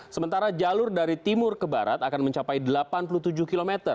sementara jalur dari timur ke barat akan mencapai delapan puluh tujuh km